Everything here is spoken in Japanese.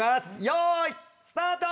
よーいスタート！